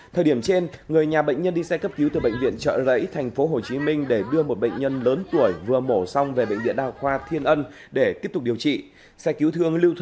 thời điểm trên người nhà bệnh nhân đi xe cấp cứu từ bệnh viện trợ rẫy tp hcm để đưa một bệnh nhân lớn tuổi vừa mổ xong về bệnh viện đa khoa thiên ân để tiếp tục điều trị